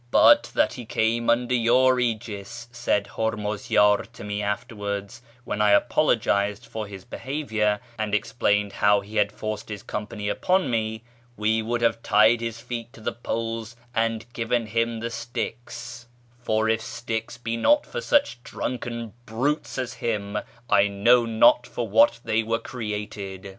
" But that he came under your aegis," said Hurmuzyar to me afterwards, when I apologised for liis behaviour, and explained how he had forced his com pany upon me, " we would have tied his feet to the poles and given him the sticks ; for if sticks be not for such drunken brutes as him, I know not for wdiat they were created."